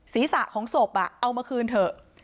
ศีรษะของศพเอามาคืนเถอะ